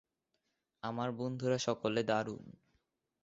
আমার বন্ধুরা সকলে দারুণ।